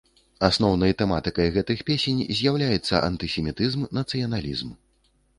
Асноўнай тэматыкай гэтых песень з'яўляецца антысемітызм, нацыяналізм.